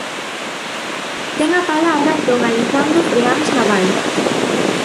Ten a palabra don Alejandro Freáns Nabal.